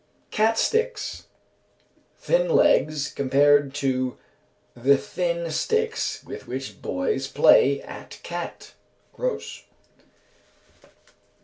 _ Cat sticks. Thin legs; compared to the thin sticks with which boys play at cat (Grose).